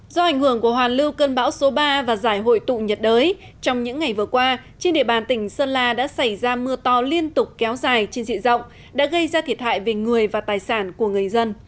do ảnh hưởng của hoàn lưu cơn bão số ba và giải hội tụ nhiệt đới trong những ngày vừa qua trên địa bàn tỉnh sơn la đã xảy ra mưa to liên tục kéo dài trên dịa rộng đã gây ra thiệt hại về người và tài sản của người dân